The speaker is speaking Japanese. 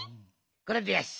これでよし。